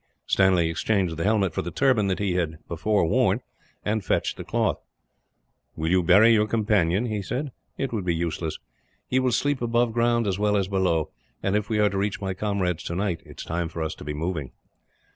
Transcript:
Stanley exchanged the helmet for the turban that he had before worn, and fetched the cloth. "Will you bury your companion?" he said. "It would be useless. He will sleep above ground, as well as below and, if we are to reach my comrades tonight, it is time for us to be moving."